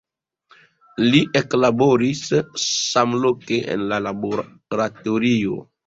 Li eklaboris samloke en la laboratorio.